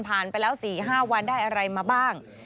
ไปแล้ว๔๕วันได้อะไรมาบ้าง